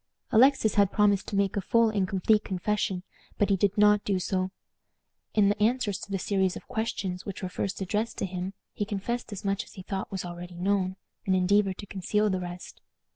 Alexis had promised to make a full and complete confession, but he did not do so. In the answers to the series of questions which were first addressed to him, he confessed as much as he thought was already known, and endeavored to conceal the rest.